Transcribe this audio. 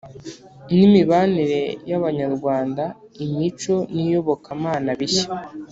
N imibanire y abanyarwanda imico n iyobokamana bishya